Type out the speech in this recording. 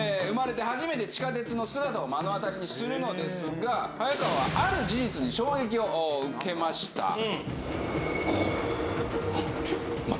生まれて初めて地下鉄の姿を目の当たりにするのですが早川はある事実に衝撃を受けました。